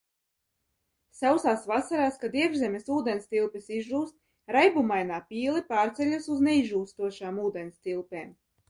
Sausās vasarās, kad iekšzemes ūdenstilpes izžūst, raibumainā pīle pārceļas uz neizžūstošām ūdenstilpēm.